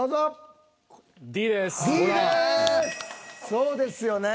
そうですよね。